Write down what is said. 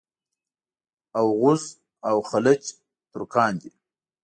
اوغوز او خَلَج ترکان دي.